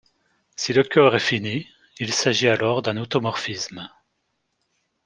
Si le corps est fini, il s'agit alors d'un automorphisme.